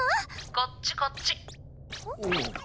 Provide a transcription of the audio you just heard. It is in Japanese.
こっちこっちうん？